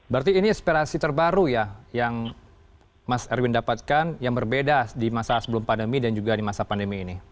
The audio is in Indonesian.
berarti ini inspirasi terbaru ya yang mas erwin dapatkan yang berbeda di masa sebelum pandemi dan juga di masa pandemi ini